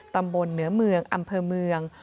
ตำบลเหนือเมืองอำเภอเมือง